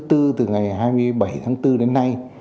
từ ngày hai mươi bảy tháng bốn đến nay